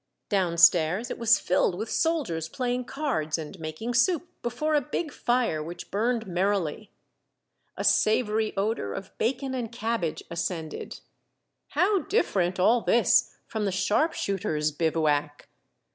Down stairs it was filled with soldiers playing cards and making soup before a big fire which burned The Boy Spy. 29 merrily. A savory odor of bacon and cabbage ascended. How different all this from the sharp shooters' bivouac